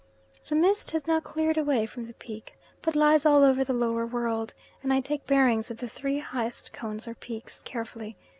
The mist has now cleared away from the peak, but lies all over the lower world, and I take bearings of the three highest cones or peaks carefully.